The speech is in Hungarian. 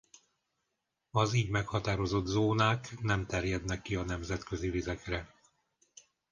Az így meghatározott zónák nem terjednek ki a nemzetközi vizekre.